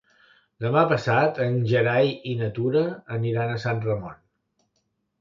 Demà passat en Gerai i na Tura aniran a Sant Ramon.